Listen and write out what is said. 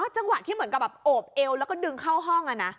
จังหวะที่เหมือนกับแบบโอบเอวแล้วก็ดึงเข้าห้อง